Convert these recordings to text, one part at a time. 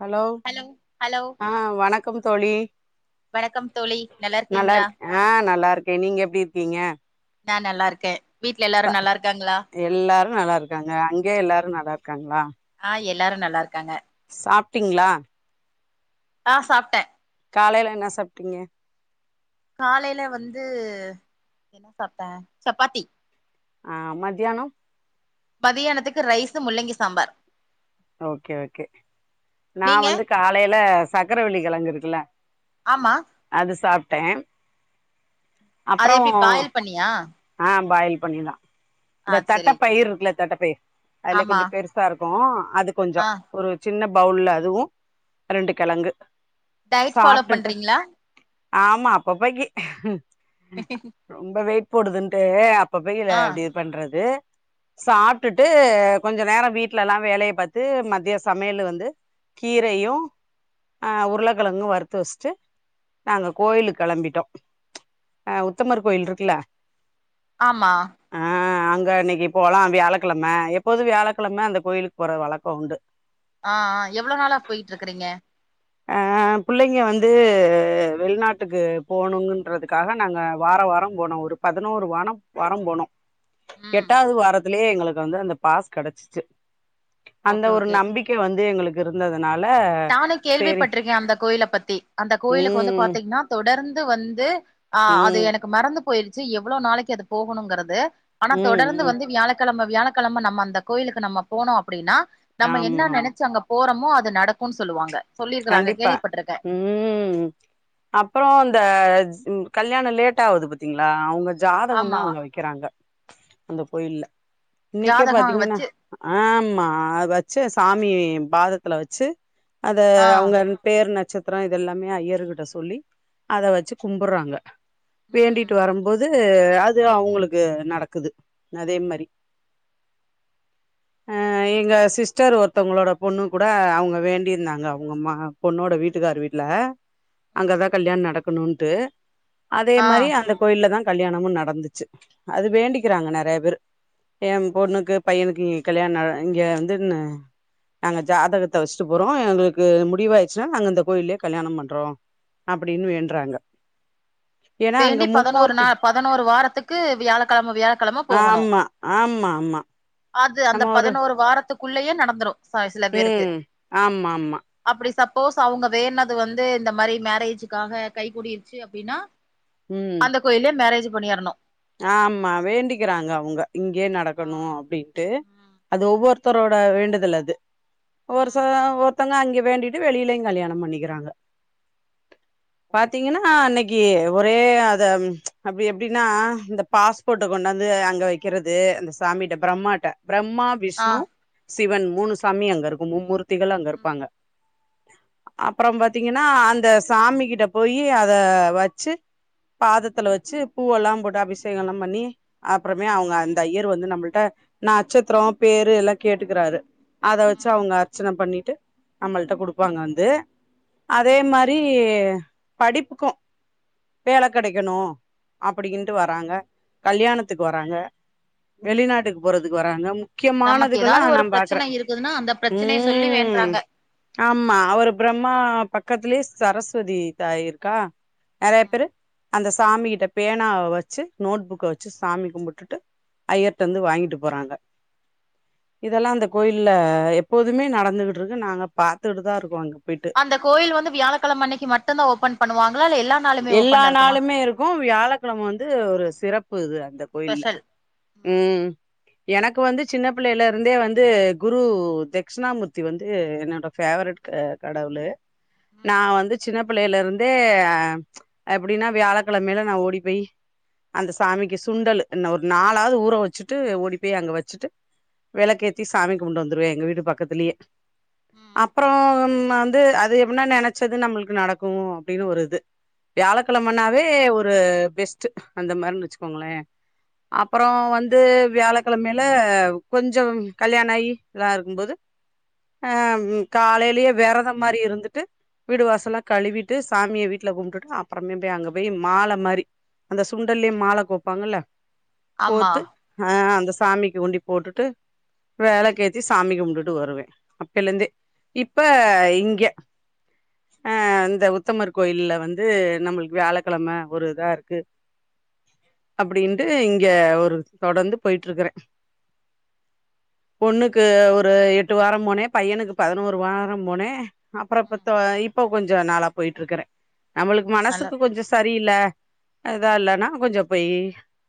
Hello ஆ வணக்கம் தோழி வணக்கம் தோழி நல்லா இருக்கீங்களா நல்லாருக் ஆ நல்லாருக்கே நீங்க எப்டி இருக்கீங்க நா நல்லாருக்கே வீட்ல எல்லாரு நல்லா இருக்காங்களா ம் நல்லாருக்காங்க அங்கே எல்லாரு நல்லாருக்காங்களா ஆ எல்லாரு நல்லா இருக்காங்க. சாப்ட்டீங்களா? ஆ சாப்ட்ட காலையில என்ன சாப்ட்டீங்க காலையில வந்து என்ன சாப்ட்ட சப்பாத்தி ஆ மத்தியானம் மதியானத்துக்கு ரைஸு முள்ளங்கி சாம்பார். ஓகே ஓகே நா நீங்க வந்து காலையில சக்கரவள்ளி கெழங்கு இருக்குல்ல ஆமா அது சாப்ட்ட அப்றோ அது எப்டி பாயில் பண்ணியா ஆ பாயில் பண்ணிதா ஆ இந்த செரி தட்டப் பயிரு இருக்குல்ல தட்டப்பயிர் அதுலே ஆமா கொஞ்ச பெருசா இருக்கும் அது கொஞ்ச ஆ ஒரு சின்ன பவுல்ல அதுவு ரெண்டு கெழங்கு டயட் ஃபாலோ சாப்ட்டுட்டு பண்றீங்களா ஆமா அப்பப்பக்கி ரொம்ப வெயிட் போடுதுன்ட்டு அப் அப்பப்பைல ஆ அப்டியே பண்றது ம் சாப்ட்டுட்டு கொஞ்ச நேர வீட்ல எல்லா வேலைய பாத்து மதிய சமையலு வந்து கீரையும் ஆ உருளக்கெழங்கு வறுத்து வச்சுட்டு நாங்க ம் கோயிலுக்கு கெளம்பிட்டோ ஆ உத்தமர் கோயில் இருக்குல்ல ஆமா ஆ அங்க இன்னைக்கு போலா வியாழக்கிழம எப்போது வியாழக்கிழம அந்த கோயிலுக்கு போற வழக்கோ உண்டு. ஆ ஆ எவ்ளோ‌ நாளா போயிட்டு இருக்குறீங்க? ஆ ஆ புள்ளைங்க வந்து வெளிநாட்டுக்கு போணுங்குன்றதுக்காக நாங்க வாரா வாரம் போனோ ஒரு பதினோரு வானம் வாரம் போனோ ம் எட்டாவது வாரத்துலேயே எங்களுக்கு வந்து அந்த பாஸ் கெடைச்சிச்சு. அந்த ஓகே ஒரு ஓகே நம்பிக்க வந்து எங்களுக்கு இருந்ததுனால சேரி கேள்விப்பட்டிருக்க அந்த கோயில பத்தி அந்த கோயிலுக்கு வந்து ம் பாத்தீங்கன்னா தொடர்ந்து வந்து ஆ அது ம் எனக்கு மறந்து போயிருச்சு எவ்வளோ நாளைக்கு அது போகணுங்கிறது ஆனா ம் தொடர்ந்து ம் வந்து வியாழக்கெழம வியாழக்கெழம நம்ம அந்த கோயிலுக்கு நம்ம போனோ அப்டின்னா நம்ம ஆமா என்ன ஆமா நெனைச்சு அங்க போறோமோ அது நடக்குன்னு சொல்லுவாங்க. சொல்லிருக்கறாங்க கண்டிப்பா கேள்விப்பட்டிருக்கே ம் அப்புற இந்த ம் கல்யாண லேட் ஆகுது பாத்தீங்களா அவுங்க ஜாதகம்லா ஆமா அங்க வெக்கிறாங்க. அந்த கோயில்ல இன்னைக்கே ஜாதகோ பாத்தீங்கன்னா வச்சு ஆமா அத வச்சா சாமி பாதத்துல வச்சு அத ஆ அவுங்க பேர் நட் சத்திரம் இதெல்லாமே ஐயருக்கிட்ட சொல்லி அத வச்சு கும்புட்றாங்க. வேண்டிட்டு ம் வரும்போது அது அது அவுங்களுக்கு நடக்குது அதே மாரி ஆ எங்க சிஸ்டர் ஒருத்தவங்களோட பொண்ணுக்கு கூட அவுங்க வேண்டியிருந்தா அவுங்க அம்மா பொண்ணோட வீட்டுக்கார் வீட்ல ம் அங்கதா கல்யாண நடக்கணுன்ட்டு அதே ஆ மாரி அந்த கோயில்ல தா கல்யாணமு நடந்துச்சு அது வேண்டிக்கிறாங்க நெறையா பேரு ஏ பொண்ணுக்கு பையனுக்கு இங்க கல்யாண இங்க வந்துன்னு நாங்க ஜாதகத்த வெஸ்ட்டு போறோ எங்களு முடிவாயிச்சுன்னா நாங்க இந்த கோயில்லயே கல்யாணம் பண்றோ அப்படின்னு வேண்டுறாங்க ஏன்னா அங்க வேண்டி பதினோரு மும்மூர்த்தி நாள் பதினோரு வாரத்துக்கு வியாழக்கிழம வியாழக்கிழம போகணு ஆமா ஆமா ஆமா அ அது அந்த பதினோரு வாரத்துக்குள்ளேயே நடந்துரு ச சிலபேருக்கு ம் ஆமா ஆமா அப்படி சப் போஸ் அவுங்க வேண்ட்னது வந்து இந்த மாரி மேரேஜுக்காக கை கூடிருச்சு அப்படின்னா ம் அந்த கோயில்லயே மேரேஜ் பண்ணிரணு ஆமா வேண்டிக்கிறாங்க அவுங்க இங்கே ஆ நடக்கணு அப்டின்ட்டு ம் அது ஒவ்வொருத்தரோட வேண்டுதல் அது ஒரு சில ம் ஒர் மித்தங்க அங்க வேண்டிட்டு வெளியிலயு கல்யாண பண்ணிக்கிறாங்க ஓகே பாத்தீங்கன்னா அன்னை ஒரே அத அப்டி எப்டின்னா இந்த பாஸ்போர்ட்ட கொண்டாந்து அங்க வைக்கிறது அந்த சாமிட்ட பிரம்மாட்ட பிரம்மா ஆ விஷ்ணு சிவன் மூணு சாமி அங்க இருக்கு மும்மூர்த்திகளு அங்க ம் இருப்பாங்க அப்புறம் பாத்தீங்கன்னா அந்த சாமி கிட்ட போயி அத வச்சு பாதத்துல வெச்சு பூவெல்லா போட்டு அபிஷே ஷேகல்லா பண்ணி அப்புறமே அவுங்க அந்த ஐயர் வந்து நம்மள்ட்ட நட்சத்திரோ பேரு எல்லா கேட்டுக்கிறாங்க அது அத வச்சு ம் அவுங்க அர்ச்சனை பண்ணிட்டு நம்மள்ட்ட குடுப்பாங்க வந்து அதே ம் மாரி படிப்புக்கு வேல கெடைக்கணு அப்படின்னுட்டு வராங்க கல்யாணத்துக்கு வராங்க வெளிநாட்டுக்கு போறதுக்கு வராங்க நமக்கு முக்கியமானதுகல்லா ஏதாவது நா ஒரு பாக்குறே பிரச்சன இருக்குதுன்னா அந்த பிரச்சனைய சொல்லி ம் வேண்றாங்க ஆமா அவரு பிரம்மா பக்கத்திலயே சரஸ்வதி த இருக்கா நறைய ம் பேரு அந்த சாமி கிட்ட பேனாவ வச்சு நோட் புக்க வச்சு சாமி கும்பிட்டுட்டு ஐயர்ட்ட வந்து வாங்கிட்டு போறாங்க இதெல்லா அந்த ம் கோயில்ல எப்போதுமே நடந்துகிட்டு இருக்கு நாங்க பாத்துட்டுதா இருக்கோ அங்க போயிட்டு அந்த கோயில் வந்து வியாழக்கிழம அன்னைக்கு மட்டுன்தா ஓப்பன் பண்ணுவாங்களா இல்ல எல்லா நாளுமே எல்லா ஓபன்ல இருக்குமா நாளுமே இருக்கு வியாழக்கிழம வந்து ஒரு சிறப்பு இது இந்த கோயில்ல ஸ்பெஷல் ம் எனக்கு வந்து சின்ன பிள்ளைல இருந்தே வந்து குரு தட்க்ஷிணாமூர்த்தி வந்து என்னோட ஃபேவரெட் கடவுளு நா ம் வந்து சின்ன பிள்ளையில இருந்தே அப்டின்னா வியாழக்கிழமைல நா ஓடி போய் அந்த சாமிக்கு சுண்டல் என்ன ஒரு நாலாவது ஊற வச்சுட்டு ஓடி போய் அங்க வச்சுட்டு விளக்க ஏத்தி சாமி கும்பிட்டு வந்துடுவே எங்க வீட்டு பக்கத்துலேயே ம் அப்புறம் வந்து அது எப்பனா நினைச்சது நம்மளுக்கு நடக்கு அப்டின்னு ஒரு இது வியாழக்கெழமனாவே ஒரு பெஸ்ட்டு அந்த மாரினு வச்சுக்கோங்களே அப்புறோ வந்து வியாழக்கிழமையில கொஞ்சம் கல்யாண ஆயி இதா இருக்கும்போது ஆ காலையிலயே விரதம் மாரி இருந்துட்டு வீடு வாசல்லா கழுவிட்டு சாமிய வீ வீட்டுல கும்ட்டுட்டு அப்புறமே போய் அங்க போய் மாலை மாரி அந்த சுண்டல்லையே மால கோப்பாங்கல்ல ஆமா கோத்து ஆ அந்த சாமிக்கு உண்டி போட்டுட்டு வெலக்கேத்தி சாமி கும்ட்டுட்டு வருவே அப்பேலந்தே இப்ப இங்க அ இந்த உத்தமர் கோ கோயில்ல வந்து நம்மளுக்கு வியாழக்கெழம ஒரு இதா இருக்கு அப்டின்ட்டு இங்க ஒரு தொடர்ந்து போயிட்டு இருக்கறேன் பொண்ணுக்கு ஒரு எட்டு வாரம் போனே பையனுக்கு பதினோரு வாரம் போனே அப்புறம் ம் இப்பத்தோ இப்போ கொஞ்சம் நாளா போயிட்டு இருக்கறேன் நம்மளுக்கு நல்ல மனசுக்கு கொஞ்சம் சரியில்ல அதுதான் இல்லன்னா கொஞ்சம் போயி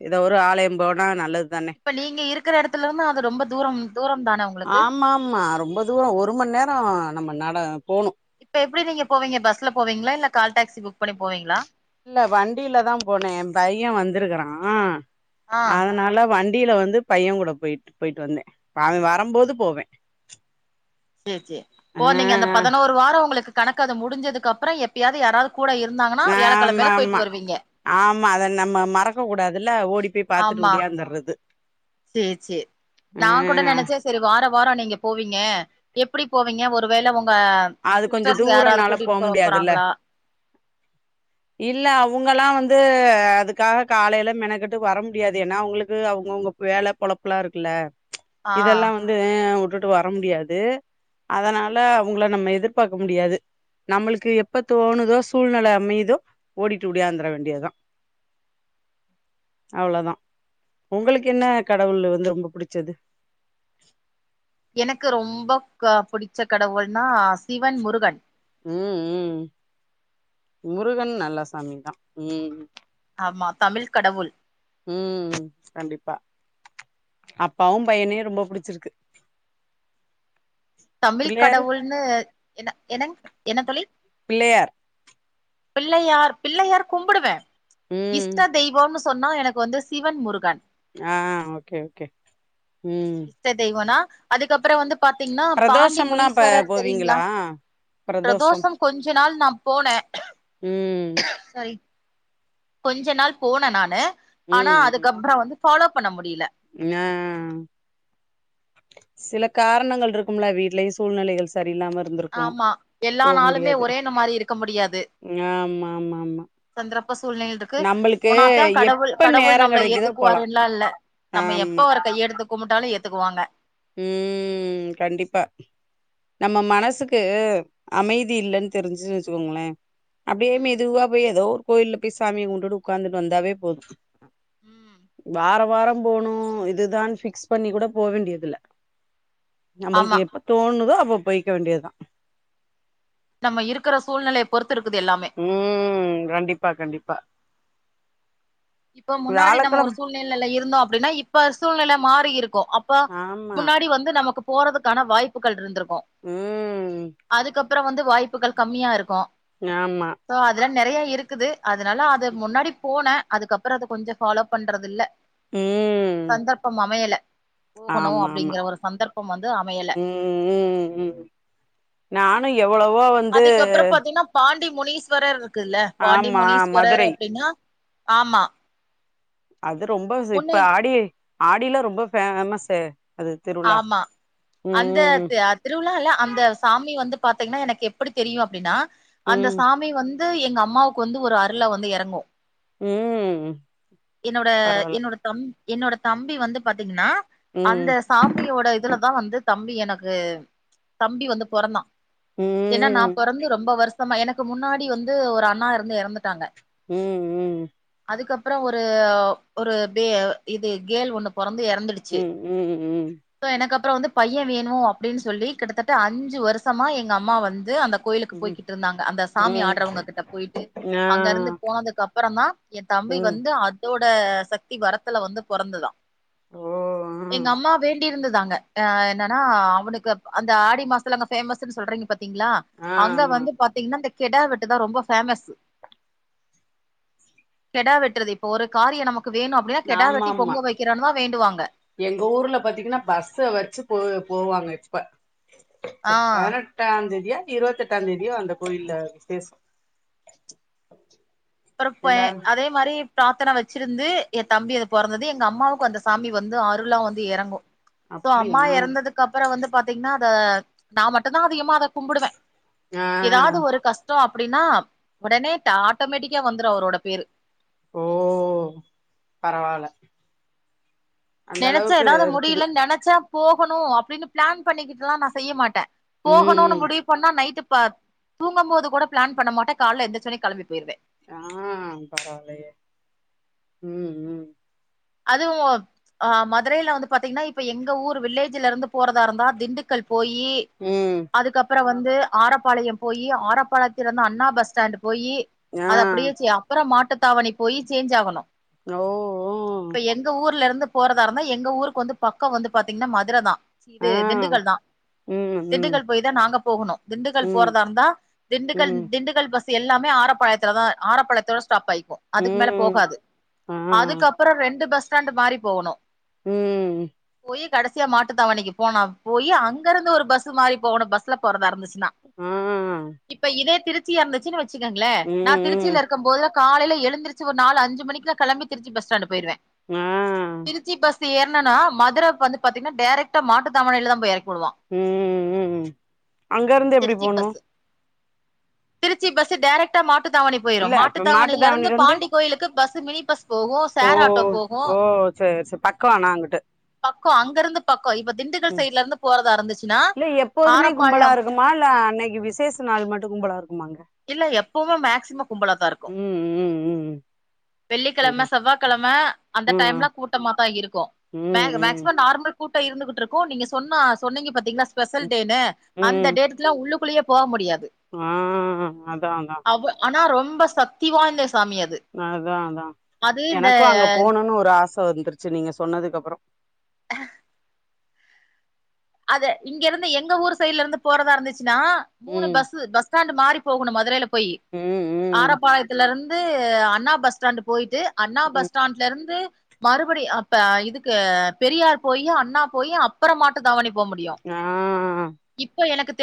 இதோ ஒரு ஆலயம் போனா நல்லது தானே இப்ப நீங்க இருக்கிற எடத்துல இருந்து அது ரொம்ப தூரம் தூரம் தான உங்களுக்கு பொதுவா ஒரு மணி நேரம் நம்ம நட போணு இப்ப எப்டி நீங்க போவீங்க பஸ்ல போவீங்ளா இல்ல கால் டாக்ஸி புக் பண்ணி போவீங்களா இல்ல வண்டியில தான் போனேன் என் பையன் வந்திருக்கறான் ஆ அதனால வண் டில வந்து பையன் கூட போயிட்டு போயிட்டு வந்தேன் அவன் வரும்போது போவேன் சேரி சேரி போ நீங்க அந்த பதினோரு வாரம் உங்களுக்கு கணக்கு அது முடிஞ்சதுக்கப்புறம் எப்பயாவது யாராவது கூட இருந்தாங்கனா ஆமா வியாழக்கிழமேல ஆமா போய்ட்டு வருவீங்க இல்ல ஓடி பேய் பாத்துட்டு ஆமா ஒடியாந்தர்றது சேரி சேரி நா கூட நினைச்சே சரி வார வாரம் நீங்க போவீங்க எப்டி போவீங்க ஒருவேள ஒங்க அது கொஞ்சோ சிஸ்டர்ஸ் யாராவது தூரனால கூட்டிட்டு போ முடியாதுல்ல போறாங்களா இல்ல அவங்களா வந் அது அதுக்காக காலயில மெனக்கட்டு வர முடியாது ஏன்னா அவுங்களுக்கு அவுங்கவுங்க வேல பொழப்புலாம் இருக்குல்ல ஆ இதெல்லாம் வந்து ஆ உட்டுட்டு வர முடியாது அதனால அவுங்கள நம்ம எதிர்பாக்க முடியாது நம்மளுக்கு எப்ப தோணுதோ சூழ்நிலை அமையுதோ ஓடிட்டு ஒடியாந்திர வேண்டியதான் அவ்ளோதான் உங்களுக்கு என்ன கடவுள் வந்து ரொம்ப புடிச்சது எனக்கு ரொம்ப புடிச்ச கடவுள்னா சிவன் முருகன் ம் ம் முருகன் நல்ல சாமிதான் ம் ஆமா தமிழ் கடவுள் ம் கண்டிப்பா அப்பாவும் பையனையும் ரொம்ப புடிச்சிருக்கு தமிழ் பிள்ளையாரு கடவுள்னு என்ன என்னங் என்ன தோழி பிள்ளயார் பிள்ளயார் பிள்ளயார் கும்புடுவேன் ம் இஷ்ட தெய்வனு சொன்னா எனக்கு வந்து சிவன் முருகன் ஆ ஆ ஓகே ஓகே ம் அதுக்கப்புறம் வந்து பாத்தீங்கனா பாண்டி பிரதோஷம்லா இப்ப முனீஸ்வரர் தெரியுங்களா போவீங்களா பிரதோஷம் கொஞ்ச நாள் நான் போனேன் ம் சை கொஞ்ச நாள் போனே நானு ஆனா அதுக்கப்புறம் வந்து ஃபாலோ பண்ண முடியில இன்னா சில காரணங்கள் இருக்கும்ல வீட்லயும் சூழ்நிலைகள் சரி ஆமா எல்லா நாளுமே ஒரேன்னு மாரி இருக்க முடியாது ஆமா ஆமா ஆமா சந்திரப்ப சூழ்நிலை இருக்கு நம்மளுக்கு போனாத்தா கடவுள் எப்ப கடவுள் நேரோ நம்ளை கெடைக்குதோ போலா ஏத்துக்குவாருல்லாம் இல்ல நம்ப எப்ப ஆமா அவரு கையெடுத்து கும்டாலும் ஏத்துக்குவாங்க ம் கண்டிப்பா நம்ம மனசுக்கு அமைதி இல்லன்னு தெரிஞ்சு வச்சுக்கோங்களே அப்டியே ம் மெதுவா போயி ஏதோ கோயில்ல போய் சாமிய கும்டுட்டு உக்காந்துட்டு வந்தாவே போதும் ம் வார வாரம் போணும் இதுதான் பிக்ஸ் பண்ணி கூட போவேண்டியதில்ல நம்பளுக்கு ஆமா எப்ப தோணுதோ அப்ப போய்க்க வேண்டியதான் நம்ம இருக்கிற சூழ்நிலை ம் கண்டிப்பா கண்டிப்பா இப்ப முன்னாடி நம்ம ஒரு வியாழக்கிழம சூழ்நிலல இருந்தோ அப்டின்னா இப்ப சூழ்நில மாறி இருக் கோ அப்ப ஆமா. முன்னாடி வந்து நமக்கு போறதுக்கான வாய்ப்புகள் ருந்திருக் கு ம். அதுக்கப்புற வந்து வாய்ப்புகள் கம்மியா இருக்கு ஆமா. சோ அதெல்லா நெறைய இருக்குது அதனால அத முன்னாடி போன அதுக்கப்புற அது கொஞ்ச ஃபாலோ பண்றதில்ல சந்தர்ப்பம் அமையல போகணு ஆமா ஆமா அப்டிங்கிற ஒரு சந்தர்ப்பம் வந்து அமையல ம் ம் ம் ம் நானு எவ்வளவோ வந்து அதுக்கப்பற பாத்தீங்ன்னா பாண்டி முனீஸ்வரர் இருக்குல்ல பாண்டி ஆமா முனீஸ்வரர் மதுரை. அப்டினா ஆமா அது ரொம்ப ச இப்ப ஆடி ஆடில ரொம்ப ஃபேமஸு ஆமா அந்த த அ திருவிழா இல்ல அந்த சாமி வந்து பாத்தீங்ன்னா எனக்கு எப்படி தெரியு அப்டினா அந்த ம் சாமி வந் க எங்க அம்மாவுக்கு வந்து ஒரு அருளா வந்து எறங்கு ம் என்னோட பரவால்ல என்னோட தம் என்னோட தம்பி வந்து பாத்தீங்கன்னா ம் அந்த சாமியோட இதுலதா வந்து தம்பி எனக்கு தம்பி வந்து பொறந்தா ஏன்னா நா ம் பெறந்து ரொம்ப வருஷமா எனக்கு முன்னாடி வந்து ஒரு அண்ணா இருந்து எறந்துட்டாங்க ம் ம் அதுக்கப்புற ஒரு ஒரு பே இது கேல் ஒண்ணு பொறந்து எறந்துடுச்சு ம் ம் ம் சோ எனக் அ அப்புறோ வந்து பையன் வேணு அப்டின் சொல்லி கிட்டத்தட்ட அஞ்சு வருஷமா எங்க அம்மா வந்து அந்த கோயிலுக்கு ம் போய்கிட்ருந்தாங்க அந்த சாமி ம் ஆட்றவங்க கிட்ட போய்ட்டு ஆ அங்க இருந்து போனதுக்கு அப்புறந் தா எ தம்பி ம் வந்து இதோட சக்தி வரத்துல வந்து பொறந்ததா ஓ எங்க அம்மா வேண்டியிருந்ததாங் க அ என்னன்னா அவனுக்கு ப அந்த ஆடி மாஸ்த்துலங்க ஃபேமஸுன் சொல்றீங்க பா த்தீங்ளா ஆ அங்க ஆமா வந்து பாத்தீங்ன்னா இந்த கெடா வெட்டு தா ரொம்ப ஃபேமஸு கெடா வெட்டுறது இப்ப ஒரு காரியோ நமக்கு வேணு அப்டினா கெடா ஆமா வெட்டி ஆமா பொங்க வைக்கிறேனு தா வேண்டுவாங்க எங்க ஊர்ல பாத்தீங்ன்னா பஸ்ஸ வெச்சு போ போவாங்க இ ப்ப ஆ இப்ப பதினெட்டாந் தேதியா இருவத்தெட்டாந் தேதியோ அந்த கோயில்ல விசேஷோ [unintelligible] அப்புறம் எல்லாரு அதே மாரி ப்ராத்தன வெச்சிருந்து எ தம்பி அது பொறந்தது எங்க அம்மாவுக்கு அந்த சாமி வந்து அருளலா வந்து எறங்கு சோ அம்மா அப்டியா எறந்ததுக்கு அப்புற வந்து பாத்தீங்ன்னா அத நா மட்டுந்தா அதிகமா அத கும்புடுவ ஆ எதாது ஒரு கஸ்டோ அப்படினா ஒடனே ட ஆட்டோமேட்டிக் கியா வந்துரு அவுரோட பேரு ஓ பரவால நெனச்சா எதாவ்து முடிலன் நெனச்சா போகணு அப்டின் ப்ளான் பண்ணிக்கிட்டுலா நா செய்ய மாட்ட போகணுனு ம் முடிவு பண்ணா நைட்டு பத் தூங்கும் போது கூட ப்ளான் பண்ண மாட்ட கால்ல எந்துருச்சேனே களம்பி போய்ருவே ஆ பரவாலயே ம் ம் அதுவு அ மதுரையில வந்து பாத்தீங்கன்னா இப்ப எங்க ஊரு வில்லேஜிலருந்து போறதா இருந்தா திண்டுக்கல் போயி ம் அதுக்கப்புற வந்து ஆரப்பாளையம் போயி ஆரப்பாளையத்திலர்ந்து அண்ணா பஸ் ஸ்டாண்டு போயி ஆ அது அப்படியே செ அப்புற மாட்டுத்தாவணி போயி சேஞ்ச் ஆகணு ஓ ஓ இப்ப எங்க ஊர்ல இருந்து போறதாருந்தா எங்க ஊருக்கு வந்து பக்கோ வந்து பாத்தீங்ன்னா மதுரதா சி இது ஆ திண்டுக்கல் தா ம் ம் திண்டுக்கல் போய் தா நாங்க போகணு திண்டுக்கல் ம் போறதா இருந்தா திண்டுக்கல் ம் திண்டுக்கல் பஸ் ஸு எல்லாமே ஆரப்பாளையத்துலதா ஆரப்பாளத்தோட ஸ்டாப் ஆ அதுக்கு மேல ம் போகாது ஆ அதுக்கப்றோ ரெண்டு பஸ் ஸ்டாண்டு மாரி போகணு ம் கடைசியா மாட்டுத்தாவணிக்கு போனா போய் அங்க இருந்து ஒரு பஸ் மாறி போகனு பஸ் மாரி போறதா இருந்துச்சுனா ஆ இப்ப இதே திருச்சியா இருந்துச்சுன்னா வெச்சுக்கோங்களே ம் நா ம் திருச்சியில இருக்கும் போது காலைல எழுந்திருச்சு ஒரு நாலு அஞ்சு மணிக்குலா கெளம்பி திருச்சி பஸ் ஸ்டாண்டு போயிருவே அ இங்க ஏர்னன்னா மதுர வந்து பாத்தீங்காணா டேரெக்டா மாட்டு தாவணில தா போய் இறங்கு ம் ம் அங்க இருந்து எப்டி திருச்சி போனு பஸ் திருச்சி பஸ்சு டேரக்ட்டா மாட்டுத்தாவணி போயிரு மாட்டுத்தாவணில இருந்து பாண்டி கோயிலுக்கு பஸ்சு மினி பஸ் போகு ஓ சேர் ஆட்டோ போகு ஓ சேர் சேர் பக்கோ ஆனா அங்குட்டு பக்கோ அங்க இருந்து பக்கோ இப்ப திண்டுக்கல் ம் சைட்ல இருந்து போறதா இருந்துச்சுன்னா இல்ல எப்போதுமே கும்பலா ஆரப்பாளையம் இருக்குமா இல்ல அன்னைக்கு விசேஷ நாள் மட்டு கும்பலா இருக்குட்டிருக்கு இல்ல எப்பவுமே மேக்சிமம் ம் ம் வெள்ளிக்கெழம சேரி செவ்வாய்கெழம அந்த டைம்ல ம் கூட்டமா தா இருக்கு ம் ம் மேக்சிமம் நார்மல் கூட்ட இருந்துகிட்டு இருக்கு நீங்க சொன்ன சொன்னீங்க பாத்தீங்ளா ஸ்பெஷல் ம் டேனு அந்த டேல்ல உள்ளுக்குள்ளேயே போ முடியாது அ அதா அதா அவ ஆனா ரொம்ப சத்திவாய்ந்த சாமி அது அதா அது இந்த எனக்கு அங்க போணுன்னு ஒரு ஆச வந்திருச்சு நீங்க சொன்னதுக்கு அப்றோ அதே இங்க இருந்து எங்க ஊர் சைட்ல இருந்து போறதா இருந்துச்சுன்னா மூணு ம் பஸ்சு பஸ் ஸாண்ட் மாறி போகணு மதுரையில போயி ம் ம் ஆரப்பாளத்தில இருந்து அண்ணா பஸ் ஸ்டாண்ட் போயிட்டு அண்ணா பஸ் ம் ஸ்டாண்ட்ல இருந்து மறுபடி அப்ப இதுக்கு பெரியார் போயி அண்ணா போயி அப்றோ மாட்டு தாவணி போ முடியு அ இப்ப எனக்கு